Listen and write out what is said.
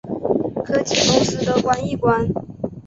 科技公司都关一关